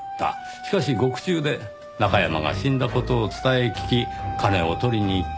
しかし獄中で中山が死んだ事を伝え聞き金を取りに行った。